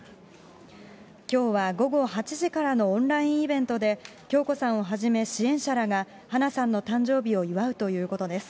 きょうは午後８時からのオンラインイベントで、響子さんをはじめ、支援者らが花さんの誕生日を祝うということです。